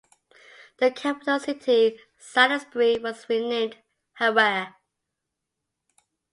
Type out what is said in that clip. The capital city, Salisbury, was renamed Harare.